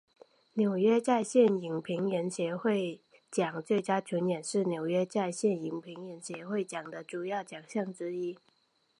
纽约在线影评人协会奖最佳群戏是纽约在线影评人协会奖的主要奖项之一。